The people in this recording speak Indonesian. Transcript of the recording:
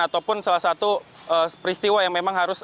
ataupun salah satu peristiwa yang memang harus